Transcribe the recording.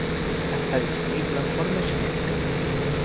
Està disponible en forma genèrica.